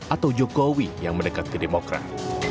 atau jokowi yang mendekat ke demokrat